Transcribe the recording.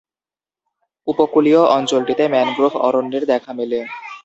উপকূলীয় অঞ্চলটিতে ম্যানগ্রোভ অরণ্যের দেখা মেলে।